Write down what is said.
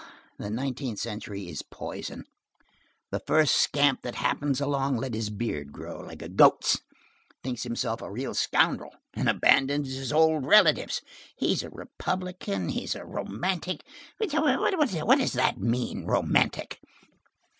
The nineteenth century is poison. The first scamp that happens along lets his beard grow like a goat's, thinks himself a real scoundrel, and abandons his old relatives. He's a Republican, he's a romantic. What does that mean, romantic?